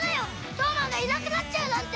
飛羽真がいなくなっちゃうなんて。